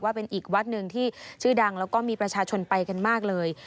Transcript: เป็นอีกวัดหนึ่งที่ชื่อดังแล้วก็มีประชาชนไปกันมากเลย